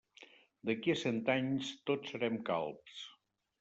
D'ací a cent anys, tots serem calbs.